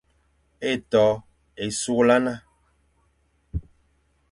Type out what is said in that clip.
Étô é sughlana.